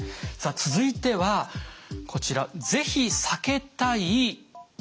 さあ続いてはこちら「ぜひ避けたい」